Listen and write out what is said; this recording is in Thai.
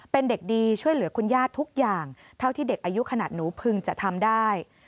เป็นเด็กดีช่วยเหลือคุณย่าทุกอย่างเท่าที่เด็กอายุขนาดหนูพึงจะทำได้